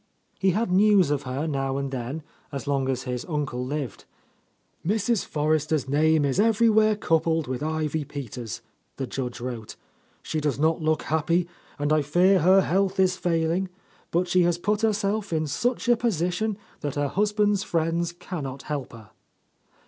He had news of her now and then, as long as his uncle lived. "Mrs. Forrester's name is everywhere coupled with Ivy Peters' '' the Judge wrote. "She does not look happy, and I fear her health is failing, but she has put herself — 170 — A Lost Lady in such a position that her husband's friends can not help her."